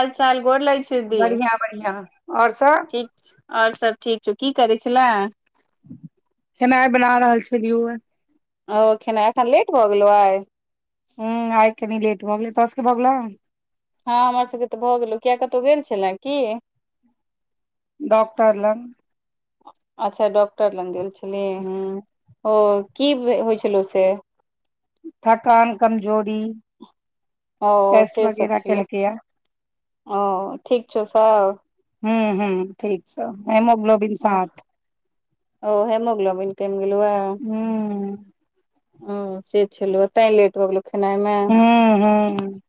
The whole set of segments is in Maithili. हाल -चाल गोर लगै छी। दी बढ़ियां-बढ़ियां और सब और सब ठीक छौ, की करै छलै? खेनाइ बना रहल छेलियौ ऐं। ओ खेनाय, एखन लेट भऽ गेलौ आइ। हम्म आइ कनी लेट भऽ गेलै, तोरा सबके भऽ गेलौ। हँ हमर सबके त भऽ गेलौ, किया कतहु गेल छेलै की डॉक्टर लंग अच्छा डॉक्टर लंग गेल छलही, हूं ओ की बे होइ छलौ से थकान, कमजोरी ओं टेस्ट से सब वगैरह छेलौ, केलकैये ओं ठीक छौ सब हम्म-हम्म ठीक छै, हेमोग्लो ओह ओ हेमोग्लोबिन कैम गेलौए हूं ओ से छलहुए तेैं लेट भ गेलौ खेनाइ मे हूं हूं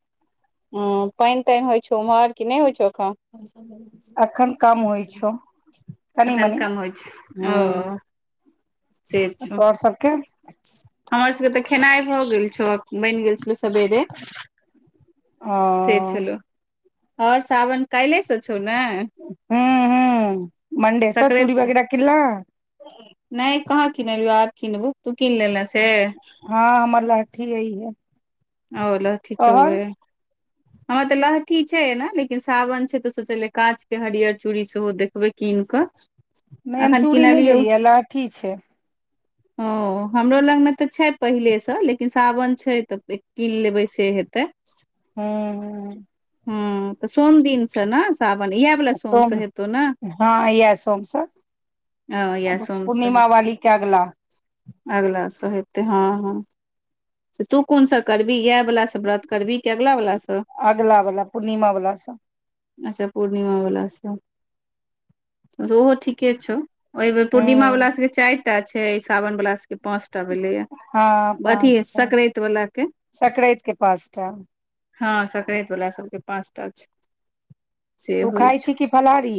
हूं पानि -तानि होइ छौ उम्हर, कि नै होइ छौ एखन। अखन कम होइ छौ कनि अखन मनि कम होइ छै, ओ हूं से छौ तोहर सबके हमर सबके तऽ खेनाइ भऽ गेल छौ, आ बनि गेल छलौ सेवेरे हं और सावन काल्हे सऽ छौ नय हम्म-हम्म मंडे स, चूड़ी सकराइत बगैरह किनलैं नहि कहाँ किनलियौ, आब कीनबौ तू कीन लेलै से हँ हमर लहठी अइहे ओ लहठी छौहे हमर तऽ लहठी छै एना, लेकिन सावन छै तऽ सोचलियै काॅच के हरियर चूड़ी सेहो देखबेै किन कऽ नहि हम अखन चूड़ी नहि किनलियौ लेलियैं यैं लहठी छैय। ओं हमरो लगमे त छैय पहिले स, लेकिन सावन छैय त एक कीन लेबै से हेतै। हम्म हम्म हम्म तऽ सोम दिन स नऽ साावन इहै बला सोम स हेतौ न हँ इएह सोमसँ अ यैह सोम सँ पूर्णिमा हेतौ, वाली के अगला अगिला स हेतै हँ-हँ त तू कोन स करबि यैह वला स व्रत करबि की अगला वला स अगला बला पूर्णिमा बला सऽ अच्छा पूर्णिमा बला स, ओहो ठीके छौ। ओहि बेर पूर्णिमा हूं वला सबके चारि टा छैय, सावन वला सबके पांच टा भेलै यैं अथी सकराइत वला के सक्रैत के पाँचटा हँ सक्रैत बला सबके पाँचटा छैय। तू खाय छी की फलहारी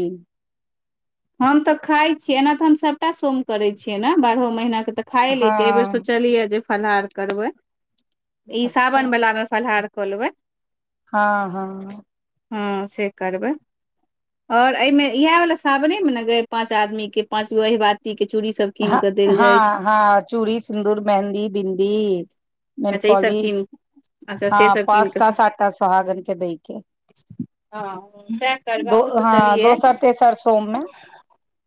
हम तऽ खाय छियै, एना त हम सभटा सोम करै छियै न बारहो महीना क त खाए लैय छियै, अइ बेर हँ सोचलियै जे फलहार करबय, ई अच्छा सावन बला मे फलाहार कऽ लेबै। हँ-हँ हूं से करबै, आओर अहिमे इहे बला सावने रूक ने गैय पाँच आदमी के पाँचगो अहिबाती, दी की चूड़ी सब, कीन ह कऽ देल जाय छै हँ हँ चूड़ी सिन्दूर मेहन्दी बिन्दी, अच्छा ई सब नेलपॉलिश कीन अच्छा हँ से सब कीन कऽ पाँचटा सातटा सोहागन के दैय के, हँ वैह करबय दो हमहुँ हँ सोचलियै दोसर तेसर सोम मे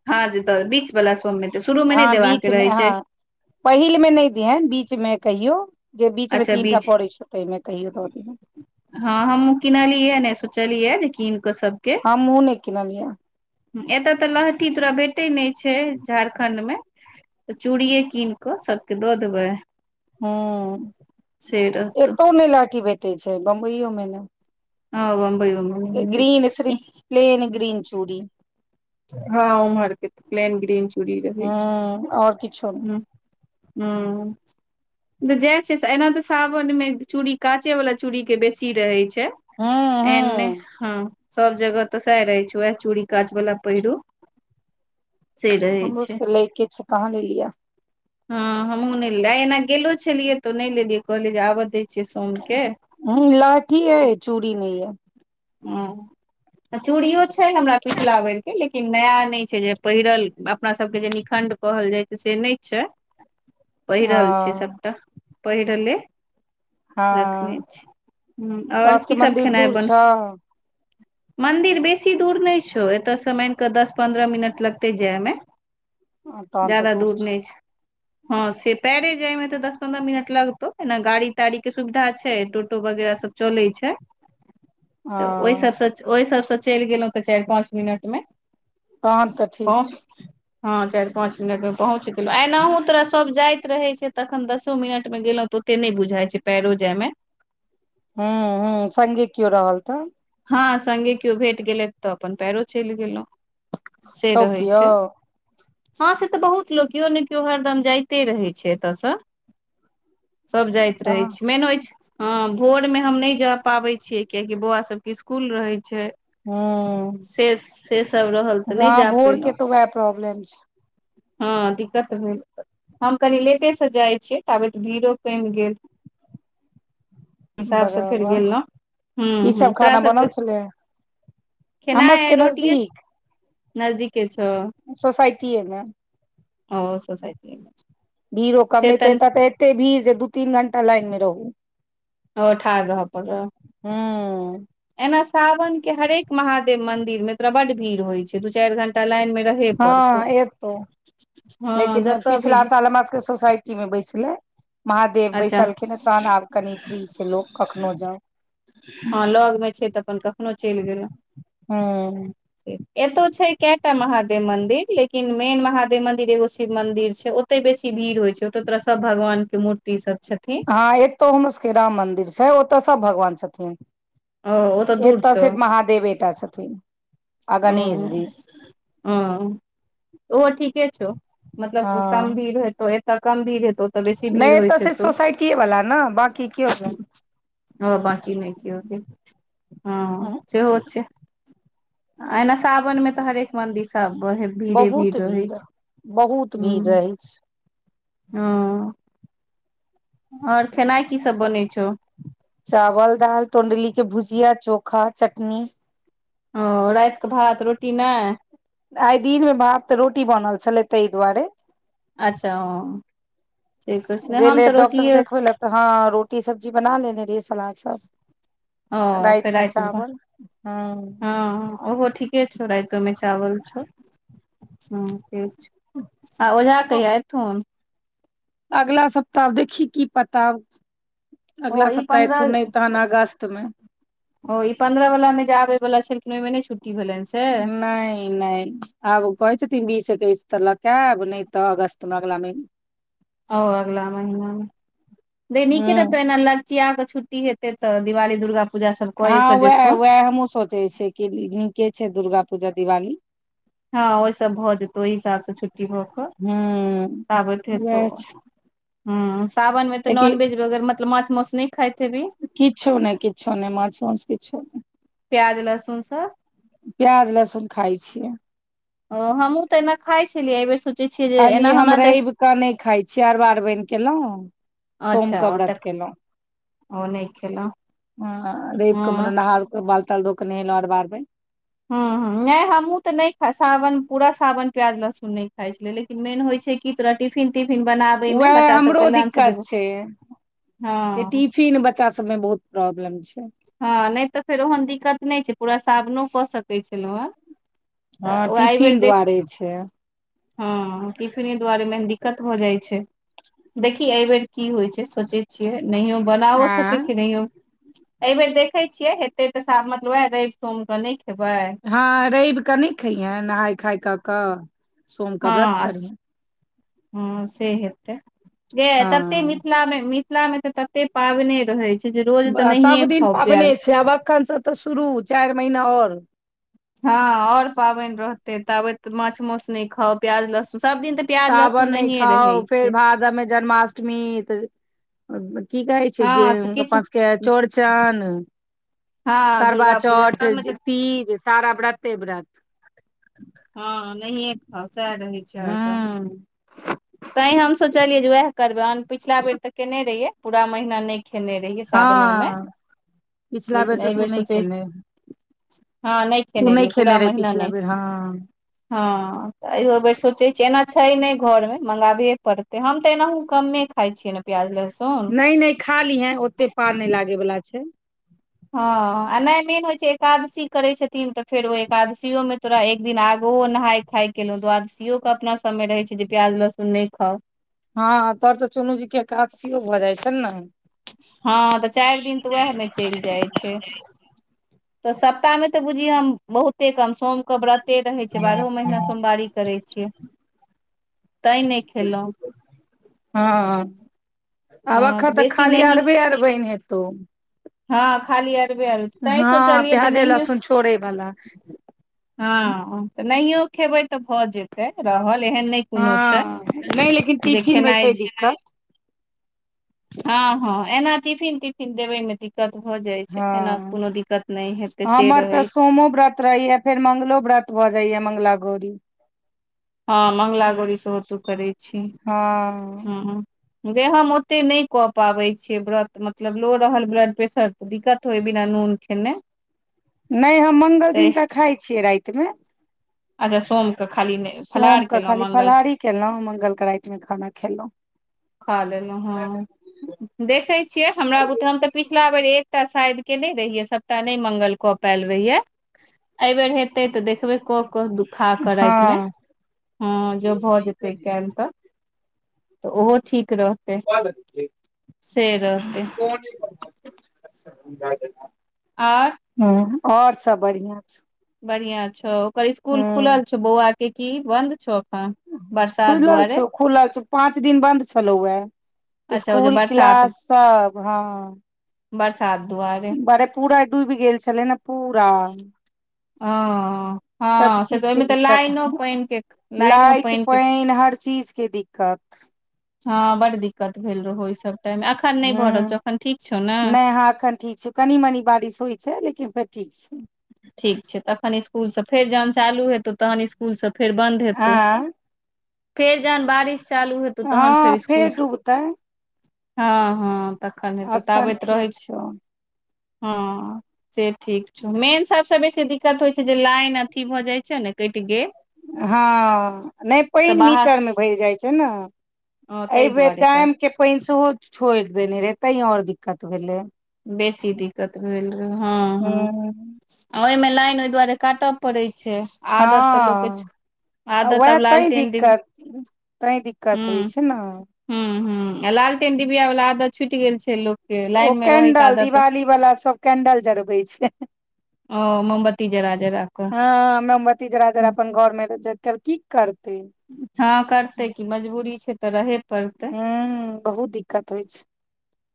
हँ जे तऽ बीच वला सोम मे तऽ शुरू मे नहि हँ देबाक बीच मे रहय हँ छैय। पहिल मे नहि दिहेन बीचमे कहियो जे बीचमे अच्छा तीन टा बीच पड़ै छैय। तहिमे कहियो दऽ दिहेंन। हँ हमहुँ किनलियै नहि सोचलियै जे कीन कऽ सबके, हमहुँ नहि किनलियै, एतय तऽ लहठी तोरा भेटय नहि छैय झारखंड मे, तऽ चूड़िये कीन कऽ सबके दऽ देबै। हँ से रहतौ एतौ नहि लहठी भेटै छैय बम्बइयो मे ने, हँ बम्बइयो मे नहि भेटय छैय। प्लेन ग्रीन चूड़ी। हँ ओम्हरके प्लेन ग्रीन चूड़ी रहै हूं और किछो नहि छैय। हूँ। त जैह छैय एना तऽ सावन में चूड़ी काँचे वाला चूड़ी के बेसी रहय छैय। हूं एने हूं हँ सब जगह तऽ सैह रहै छैय वैह चूड़ी काचवला। पहिरू से रहै हमरो छै सबके लैइके छैय कहलियै या, हँ हमहूँ नहि लेल आ ऐना गेलो छलियै तऽ नहि लेलियै कहलियै जे आबैय दैय छियै सोमके, हम लहठी ये चूडी नहि या, हँ चूड़ियो छैय हमरा पिछला बेर के, लेकिन नया नहि छैय जे पहिरल अपना सबके जे निखण्ड कहल जाय छैय से नहि छैय। हँ पहिरल छैय सबटा पहिरले, रखने हँ छी तोरा आओर सबके की सब मंदिर खेनाय दूर बन छौ मंदिर बेसी दूर नहि छौ ऐतय से मानि के दस पन्द्रह मिनट लगतै जाय मे, तहन तऽ ज्याद दूर छौ नहि छैय। हँ से पैरे जाय में तऽ दस पन्द्रह मिनट लगतउ ऐना गाड़ी ताड़ी के सुविधा छैय टोटो वगैरह सब चलैय छैय। तऽ ओहि हँ सभ स ओहि सभ स चलि गेलहुँ तऽ चारि पाँच मिनट मे तहन तऽ [unintelligible] ठीक छौ हाँ चारि पाँच मिनटमे पहुँच गेलहुँ ऐनाहु तोरा सभ जाइत रहैत छैय तखन दसो मिनटमे गेलहुँ तऽ, ते नहि बुझााय छैय पैरो जाइय, मे हुँ हुँ सङ्गे कियो रहल तऽ, हाँ सङ्गे केओ भेट गेले तऽ अपन पैरो चलि गेलहुं। से छौ रहै कियो छैय। हाँ से तऽ बहुत लोक केओ ने केओ हरदम जाइते रहै छैय एतयसँ, सभ जाइत रहैत हँ छी मेन होइत हाँ भोरमे हम नहि जाय पाबैय छियै कियकि बौआसभ, स्कूल रहै छैय। से सेसभ रहल तऽ नहि हँ जा भोर के पयलहुँ। तऽ उएह प्रॉब्लम छै हाँ दिक्कत भेल, हम कनि लेटेसँ जाइ छियै ताबैत भीड़ो केम गेल। हिसाबसँ फेर गेलहुँ हुँ हुँ। हाँ बनल छलै, हमर खेनाइ सबके आइ रोटिये नजदीक नजदीके छौ सोसाइटीएमे ओ हो सोसाटीमेए छैय। भिरो कम नहि ते ए तऽ एते भीड़ जे दू तीन घं्टा लाइन मे रहूँ ओहो ठार रह परल हूँ एना सावन के हरेक महादेव मंदिर मे तोरा बड भीड़ होय छैय, दू चाईर घंटा लाइन मे रहे पड़तौ हाँ एतौ हँ लेकिन जतऽ पिछला भी साल हम सबके सोसाइटी साइटी में बैसले महादेव अच्छा बैसलखिन तहन आब कनि फ्री छैय, लोग कखनो जाउ हाँ लगमे छैय तऽ, अपन कखनो चइल गेलहुँ हूँ एतौ छैय, कएटा महादेव मंदिर लेकिन मेन महादेव मंदिर एगो शिव मंदिर छैय, ओ ओतेय बेसी भीड़ होय छैय, ओतय तोरा सब भगवान के मूर्ति सब छथिन। हाँ एतौ हमर सबके राम मंदिर छैय, ओतऽ सब भगवान छथिन। ओ ओतऽ दूर एतैऽ छौ सिर्फ महादेवटा छथिन। आ अ गणेश जी अ उहो ठीके छौय, मतलब गमभीर हेतौ एतऽ कमभीर हेतौ ओतऽ बेसी भीड़ नए तऽ होइत सिर्फ हेतौ सोसाइटीए वला नऽ बाकी केओ नई। हाँ बकी नई किओ गैल। आँ सेहो छैय। अना सावनमे तऽ, हरेक मन्दिर सब उहे भीड़े भीड़ रहै छैय, बहुत भीड़ हुँ। रहै छै हाँ ओर खेनाइ की सब बनै छौ। चावल, दाइल, तंडली के भुजिया चोखा चटनी ओ राइतके भात रोटी नए। आइ दिन मे भात तऽ रोटी बनल छलै, ताइह दुआरे। अच्छा ओ ठिक करे छिय, हम तऽ रोटिये हाँ रोटी सब्जी बना लेने रिहे सलाद सब ओ फेर राइतमे रातिमे चावल हुँ। उहो ठीके छौ, रातमे चावल छौ। हाँ ठीक छैय, आ ओझा कहिआ एथुन अगला सप्ताह देखि की पता ओ अगला ई सप्ताह एथुन पन्द्रह नई तहन अगस्त मे ओ ई पंद्रह वला मे जे आबे वला छलखिन ओहि मे नहि छुट्टी भेले सै। नई - नई आब ओ कहै छथिन बीस एकैस तऽ लऽके आब नई तऽ, अगस्तमे अगला महिना ओ आगला महिना गई नीके हूँ रहतौ एना लगचिया क छुट्टीे हेते तऽ दिवाली दुर्गा पूजा सब कए हँ के वएह जेतौ - वएह हमूँ सोचे छियै कि नीके छै, दुर्गा पूजा दिवाली हँ ओई सँ भऽ जेतौ ओहि हिसाब स छुट्टी भऽ कऽ, हूँ ताबैत हेतौ। वएह छै ह सावन मे तऽ, कियाकि नॉनवेज वगैरह मतलब माछ माउस नई खाइत हेभी किछो नई किछो नइ माछ माउस किछो नै। प्याज लहसुन सब प्याज लहसुन खाइ छियै। ओ हमहुँ त एना खाय छलियै, एहि बेेर सँ खाली हम रैब कऽ नइ खाइ छीयै, अरबा अरबइन कयेलहुँ सोम अच्छा क ओतऽ व्रत केयलहुँ। ओ नहि खेलहुँ ह--हा, रैइब क मने हँ नहा क बाल ताल धो क नेहेलहुॅ, अरबा- अरबैन। हँ- हँ। नहि हमूं ते नहि खा सावन पूरा सावन प्याज लहसुन नहि खााय छले, लेकिन मेन होय छै की तु राटी टिफिन- तिफिन बनाबे मे वएह बच्चा सबके हमरो लंच दिक्कत देबय, हँ फीन बच्चा सबमें बहुत प्रॉब्लम छै। हँ नहि तऽ फेर ओहन दिक्कत नहि छै, पूरा सावनो कऽ सकैत छलहुँ हैं। हँ टिफिन दुआरे छै। हँ टिफिने दुआरे मेन दिक्कत भऽ जाइ छै। देखि एहि बेेर की होइत छै, सोचै छियै नहियो बनाबो आँ सकैत छै नहियो एहिबेर देखैय छियै, हेते तऽ सा मतलब वएह रवि सोम के नहि खेबैय। हँ रैब क नहि खइहै, नहाय खाय कऽ कऽ। सोम कऽ व्रत हँ, करिहे हँ से हेतैय, जे तते हँ मिथिलामे मि मिथिला मे त तते पावने रहै छै जे रोज तऽ बा नहिये सभदिन खाउ पाबने प्याज छै, आब अखन सब तऽ शुरू चारि महिना आओर। हँ आऔर पाबनि रहते, ताबैत माछ माउस नहि खाउ। प्याज- लहसुन सब दिन तऽ प्याज लहसुन नहिये रहै छै। आगामे जन्माष अष्टमी त। की कहै छै हँ जे से ओ किछु पाँचके चौड़चन हँ करबा दुर्गा पूजा चौट, सबमे तऽ तीज सारा ब्रते- ब्रत। हँ नहिए खाउ, सएह रहै छै हरदम। हूं तहि हम सोचलियै जे वएह करबैय, पिछला बेर तऽ केने रहिये पूरा महीना नहि खेने जहिये सावनो मे, हँ पिछला लेकिन तऽ एहि तू बेर नहि सोचै केने हँ तू नहि रहियै पूरा खेने रहि महीना पिछला नहि बेर हँ। हँ तऽ अयो बेर सोचैय छियै, एना छै नहि घरमे मगाबहे पड़तै, हम तऽ एनाहु कम्मे खाइ छियै ने। प्याज - लहसुन। नहि- नहि खा लीहे, ओते पार नय लागे वाला छै। हॅ-हँ, आ नहि मेन होय छै एकादशी करे छथिन तऽ फेर ओ एकादशियों में तोरा एक दिन आगहो नहाय खाय केलहुँ, द्वादशियो क अपना सबमे रहै छै जे प्याज लहसुन नहि खाउ। हँ तोहर तऽ चुनूजी के एकादसीओ भऽ जाइ छैन न। हँ तऽ चारि दिन तऽ उएहमे चलि जाइ छै। तऽ सप्ताहमे मे तऽ बुझी हम, बहुते कम सोम क व्रत ते रहै छै, बारहो महीना सोमवारी करै छियै, तैंय नहि खेलहुं। हँ आब हँ एखन तऽ बेसी खाली नहिये अरबे अरबनि हेतौ। हँ खाली अरबे- आर हँ प्याजे लहसुन छोड़े बला। हँ--ह तऽ नहियो खेबै तऽ भऽ जेतैय रहल एहन नहि कोनो छै हँ नहि लेकिन जे टिफिन मे खेनाइ छै दिक्कत। हँ- हँ, एना टिफिन- तिफिन देबैय मे दि दिक्कत भए जाय छै, एना कोनो हँ दिक्कत नहि हेते से रहै छै। मोव्रत रहैया। फेर मंगलो व्रत भऽ जाइया, मंगला गौरी। हाँ मंगल गोरी सेहो तु करै छी, हँ हुँ-हुॅ। गे हम ओतेक नय कऽ पाबैय छियै व्रत मतलब लो रहल ब्लड प्रेशर दिक्कत होइ बिना नोन खेने। नय हम मंगल तऽ दिनका खाइ छियै रातिमे। अच्छा सोमके खाली नय फलहार केलहुँ मंगल केलहुॅं मंगलके रातिमे खाना खेलहुॅं। खा लेलहुँ हाँ, देखै छियै हमरा बुते हम त पिछला बेर एकटा शायद केने रहियै सभटा नय मंगल कऽ पैएल रहियै। अहि बेेर हेतै त देखबै कऽ क दु खाकऽ रातिमे हँ हाँ जौं भ जेतय केएल त, त ओहो ठीक रह रहतै [inaudible] आर और सब बढ़िआँ छैय। बढ़िया छौ ओकर इसकुल खुलल छौ बौआके की बन्द छौ अखन। खुजल छौ खुलल छौ पाँच दिन बन्द छ छलौ ए अच्छा ओ जे स्कुल बरसात क्लास सब हाँ। बरसात दुआरे। बारे पूरा डूबि गेल छलेय ने पूरा। हँ सब हँ से तऽ चीजके ओहिमे तऽ दिक्कत लाइनो पानि के लाइनो लाइट पानि के पाइन हर चीज के दिक्कत। हाँ बड दिक्कत भेल रहौ ओय सब टाइम अखन नहि भऽ रहल छौ हूँ अखन ठीक छौ ने नहि हाँ अखन ठीक छैय। कनी-मनी बारिश होइ छैय लेकिन फेर ठीक छैय। ठीक छैय तखन स्कुलसँ फेर जहन चालू हेतौ तखन स्कुलसँ फेर बन्द हेतौ। आँ फेर जहन बारिश चालू हे हाँ फेर डूबतय। हाँ-हाँ तखन हेतौ अखन ताबैत रहै ठीक छैय छौ हाँ से ठीक। मेन सभसँ बेसी दिक्कत होइ छैय जे लाइन अथी भ जाइ छैय ने कटि गेल। हाँ नय तऽ पाइन बाहर मीटरमे भरि जाइ छैय न। हँ एहि ताहि बेेर दुआरे क डैमके पाइन सेहो छोइड़ देने रहय तैं और दिक्कत भेलय। बेसी दिक्कत भेल रहय हाँ- हूँ हाँ। ओयमे लाइन ओहि दुआरे काटऽ पड़य छैय आदत त लोकके वएह तैं दिक्कत तैं दिक्कत होइ छैय न। हुँ - हुँ आ लालटेन डिबिया वला आदत छुटि गेल छैय लोक के ओ लाइन मे रहै के कैंडल आदत दिवाली वला सब केंडल जरबे छैय, ओ मोमबत्ती जरा जरा कऽ हाँ। हाँ मोमबत्ती जरा-जरा अपन घोरमे की करतै। हाँ करतै कि मजबूरी छैय त रहे पड़तै ह बहुत दिक्कत होइ छै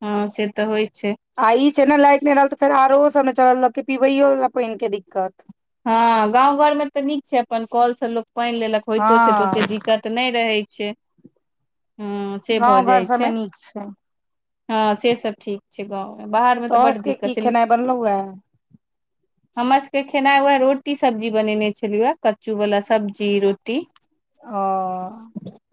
हाँ से त होइ छैय। आ इ छैय न लाइट नहि रहल त फेर आरोओ सब नय चलल लोकके पीबैयोवला पाइनके दिक्कत। हाँ गाँंव घरमे त नीक छैय अपन कऽल से लोक पाइन लेलक होइतो छैय त ओते हँ दिक क्कत नहि रहय छैय हँ से भ गाँव घर जाइ सबमे छैय। नीक छै हाँ से सभ ठीक छैय गाँवमे बाहरमे त शहर बड के दिक्कत की छैय। खेनाइ बनलौ हे हमर सबके खेनाइ वैह रोटी सब्जी बनेने छलियै हे, कच्चू वाला सब्जी रोटी आ हँ [unintelligible]